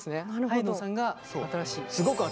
ハイドンさんが新しい。